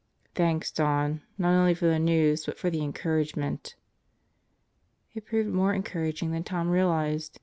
"Thanks, Don, not only for the news but for the encouragement." It proved more encouraging than Tom realized.